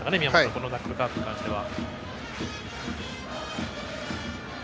このナックルカーブに関しては。